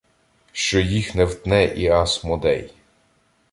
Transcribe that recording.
Що їх не втне і Асмодей.